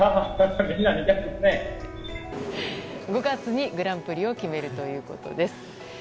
５月にグランプリを決めるということです。